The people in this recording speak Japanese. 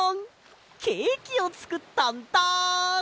ケーキをつくったんだ！